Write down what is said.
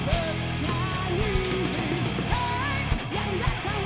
sama berdiri apa